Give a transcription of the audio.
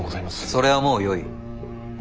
それはもうよい。